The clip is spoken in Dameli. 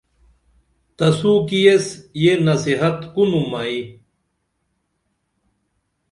تسو کی ایس یہ نصیحت کُنُم ائی